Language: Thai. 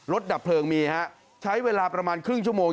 ดับเพลิงมีฮะใช้เวลาประมาณครึ่งชั่วโมง